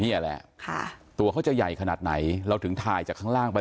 นี่แหละค่ะตัวเขาจะใหญ่ขนาดไหนเราถึงถ่ายจากข้างล่างไป